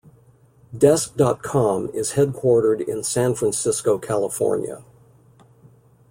Desk dot com is headquartered in San Francisco, California.